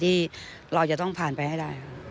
ที่เราจะต้องผ่านไปให้ได้